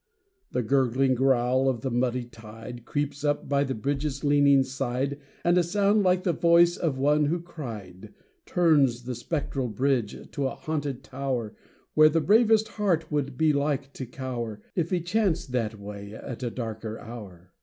The gurgling growl of the muddy tide Creeps up by the bridge's leaning side, And a sound, like the voice of one who cried, Turns the spectral bridge to a haunted tower, Where the bravest heart would be like to cower, If he chanced that way at a darker hour.